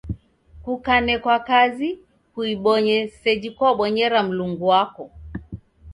Kukanekwa kazi kuibonye seji kwabonyera Mlungu wako.